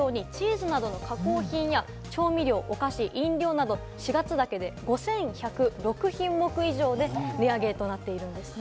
ＶＴＲにもあったように、チーズなどの加工品や調味料、お菓子、飲料など４月だけで５１０６品目以上で値上げとなっているんですね。